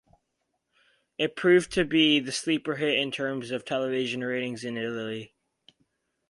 It proved to be the sleeper hit in terms of television ratings in Italy.